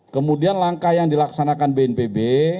kemudian langkah yang dilaksanakan bnpb